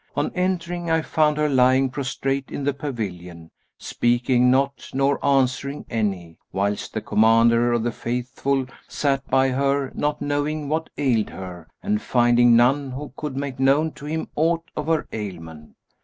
On entering I found her lying prostrate in the pavilion, speaking not nor answering any, whilst the Commander of the Faithful sat by her head not knowing what ailed her and finding none who could make known to him aught of her ailment.